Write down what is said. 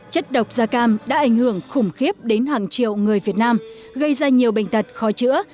chất độc da cam đã ảnh hưởng khủng khiếp đến hàng triệu người việt nam gây ra nhiều bệnh tật khó chữa